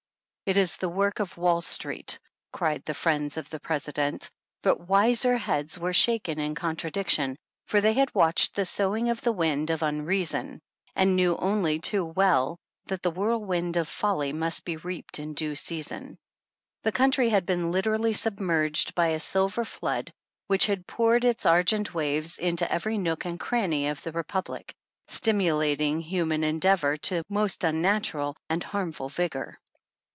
" It is the work of Wall Street," cried the friends of the President, but wiser heads were shaken in contra diction, for they had watched the sowing of the wind of unreason, and knew only too well that the whirl wind of folly must be reaped in due season. The country had been literally submerged by a silver flood which had poured its argent waves into every nook and cranny of the Republic, stimulating human endeavor to most unnatural and harmful vigor.